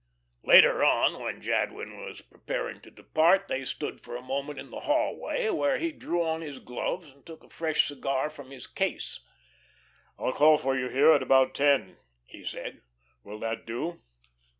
Later on, when Jadwin was preparing to depart, they stood for a moment in the hallway, while he drew on his gloves and took a fresh cigar from his case. "I'll call for you here at about ten," he said. "Will that do?"